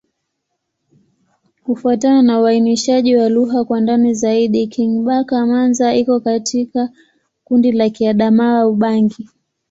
Kufuatana na uainishaji wa lugha kwa ndani zaidi, Kingbaka-Manza iko katika kundi la Kiadamawa-Ubangi.